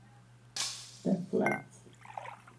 The Flats